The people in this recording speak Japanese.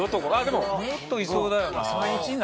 もっといそうだよな。